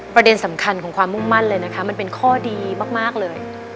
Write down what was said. ประเด็นสำคัญของความมุ่งมั่นเลยนะคะมันเป็นข้อดีมากเลย